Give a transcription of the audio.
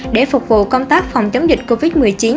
để phục vụ công tác phòng chống dịch covid một mươi chín